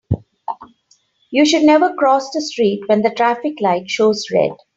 You should never cross the street when the traffic light shows red.